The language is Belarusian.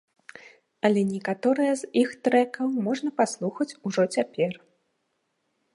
Але некаторыя з іх трэкаў можна паслухаць ужо цяпер.